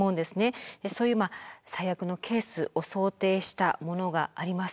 そういう最悪のケースを想定したものがあります。